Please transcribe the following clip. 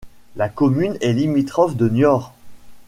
La commune est limitrophe de Niort.